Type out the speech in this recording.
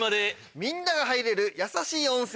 みんなが入れるやさしい温泉。